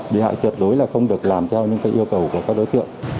bị hại tuyệt đối là không được làm theo những yêu cầu của các đối tượng